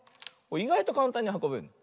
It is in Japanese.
いがいとかんたんにはこべるの。